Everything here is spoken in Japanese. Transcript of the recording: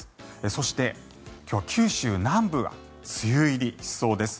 そして、今日は九州南部が梅雨入りしそうです。